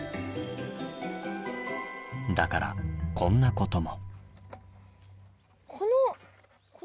だからこんなことも。